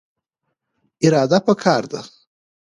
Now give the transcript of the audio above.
اراده پکار ده